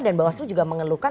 dan bawaslu juga mengeluhkan